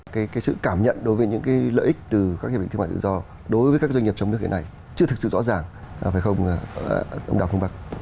cái sự cảm nhận đối với những lợi ích từ các hiệp định thương mại tự do đối với các doanh nghiệp trong nước như thế này chưa thực sự rõ ràng phải không ông đào phương bắc